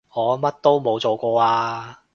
我乜都冇做過啊